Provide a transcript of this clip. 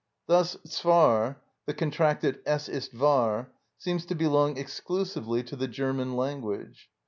Thus "zwar" (the contracted "es ist wahr") seems to belong exclusively to the German language.